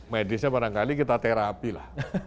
medisnya barangkali kita terapi lah